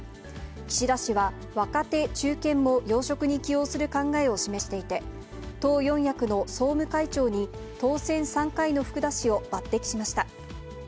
岸田氏は若手・中堅も要職に起用する考えを示していて、党四役の総務会長に当選３回の福田氏を抜てきしました。